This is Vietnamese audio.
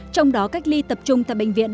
trong đó cách ly tập trung tại bệnh viện